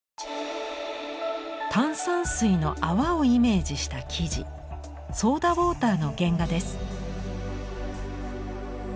炭酸水の泡をイメージした生地ソーダウォーターの原画です。